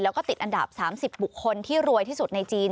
แล้วก็ติดอันดับ๓๐บุคคลที่รวยที่สุดในจีน